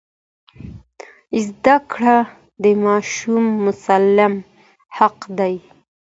زده کړه د ماشوم مسلم حق دی.